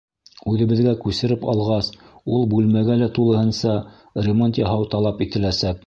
Үҙебеҙгә күсереп алғас, ул бүлмәгә лә тулыһынса ремонт яһау талап ителәсәк.